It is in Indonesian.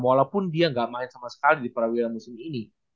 walaupun dia nggak main sama sekali di perawilan musim ini